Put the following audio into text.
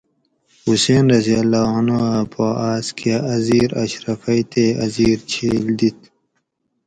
حُسین رضی اللّٰہ عنہُ اۤ پا آۤس کۤہ اۤ زیر اشرفئ تے اۤ زیر چھیل دِت